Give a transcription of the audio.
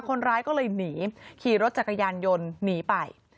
คนร้ายก็เลยหนีขี่รถจักรยานยนต์หนีไป